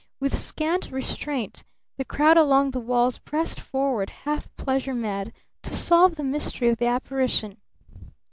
With scant restraint the crowd along the walls pressed forward, half pleasure mad, to solve the mystery of the apparition.